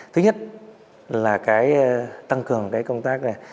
thứ nhất là cái tăng cường cái công tác này